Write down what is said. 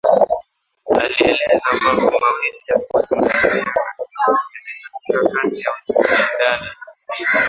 Alieleza mambo mawili ya kuzingatia katika kutengeneza mikakati ya uchumi shindani